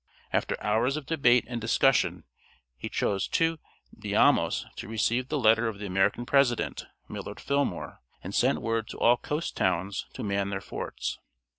After hours of debate and discussion he chose two daimios to receive the letter of the American President, Millard Fillmore, and sent word to all coast towns to man their forts.